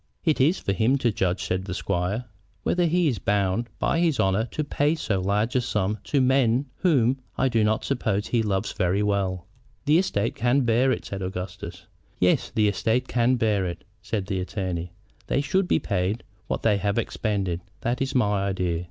"It is for him to judge," said the squire, "whether he is bound by his honor to pay so large a sum to men whom I do not suppose he loves very well." "The estate can bear it," said Augustus. "Yes, the estate can bear it," said the attorney. "They should be paid what they have expended. That is my idea.